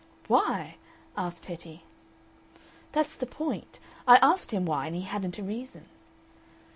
"Why?" asked Hetty. "That's the point. I asked him why, and he hadn't a reason."